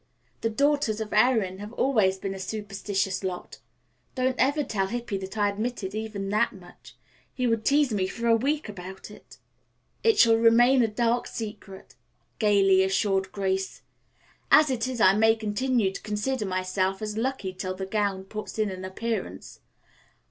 The daughters of Erin have always been a superstitious lot. Don't ever tell Hippy that I admitted even that much. He would tease me for a week about it." "It shall remain a dark secret," gayly assured Grace. "As it is, I may continue to consider myself as lucky till the gown puts in an appearance.